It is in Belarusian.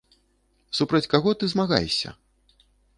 Супроць каго ты змагаешся?